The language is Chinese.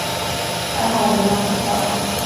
还好我没玩股票。